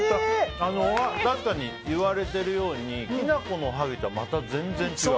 確かに言われてるようにきな粉のおはぎとはまた全然違う。